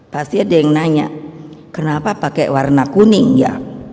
pasti ada yang nanya kenapa pakai warna kuning ya